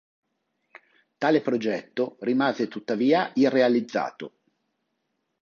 Tale progetto rimase tuttavia irrealizzato.